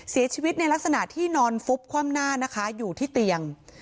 เสียชีวิตในลักษณะที่นอนฟุบคว่ำหน้านะคะอยู่ที่เตียง